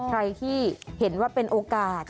ใครที่เห็นว่าเป็นโอกาส